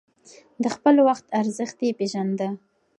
د خپل وخت ارزښت يې پېژانده.